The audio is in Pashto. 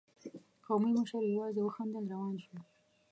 قومي مشر يواځې وخندل، روان شو.